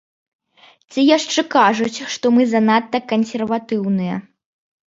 Ці яшчэ кажуць, што мы занадта кансерватыўныя.